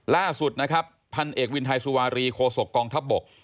ล่าสุดนะครับพันเอกวินไทยสุวารีโคศกกองทัพบก